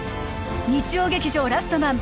日曜劇場「ラストマン」